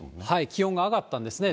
気温が上がったんですね。